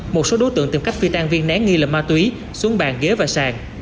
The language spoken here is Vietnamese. một số đối tượng tìm cách phi tan viên nén nghi lẩm ma túy xuống bàn ghế và sàn